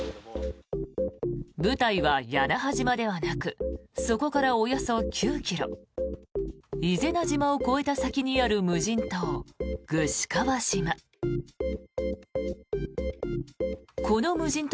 舞台は屋那覇島ではなくそこからおよそ９ｋｍ伊是名島を越えた先にある無人島具志川島。